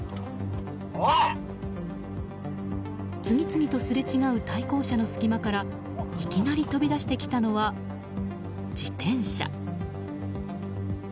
次々とすれ違う対向車の隙間からいきなり飛び出してきたのは自転車。